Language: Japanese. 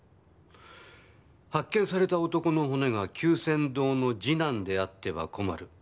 「発見された男の骨が久泉堂の次男であっては困る」。